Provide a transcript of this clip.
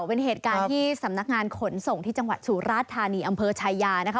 เป็นเหตุการณ์ที่สำนักงานขนส่งที่จังหวัดสุราชธานีอำเภอชายานะคะ